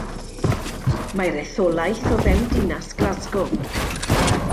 Mae'r etholaeth o fewn Dinas Glasgow.